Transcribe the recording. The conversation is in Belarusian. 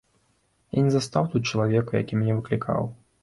Я не застаў тут чалавека, які мяне выклікаў.